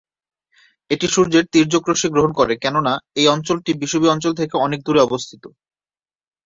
এটি সূর্যের তির্যক রশ্মি গ্রহণ করে কেননা এই অঞ্চলটি বিষুবীয় অঞ্চল থেকে অনেক দূরে অবস্থিত।